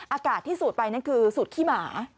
อากาศที่สูดไปนั่นคือสูตรขี้หมา